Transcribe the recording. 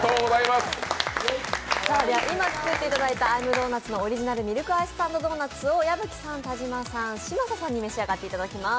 今作っていただいたＩ’ｍｄｏｎｕｔ？のオリジナルミルクアイスサンドドーナツを矢吹さん、田島さん、嶋佐さんに召し上がっていただきます。